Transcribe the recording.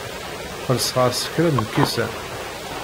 Xellṣeɣ-as kra n lkisan.